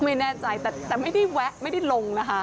ไม่แน่ใจแต่ไม่ได้แวะไม่ได้ลงนะคะ